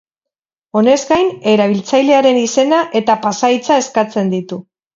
Honez gain, erabiltzailearen izena eta pasahitza eskatzen ditu.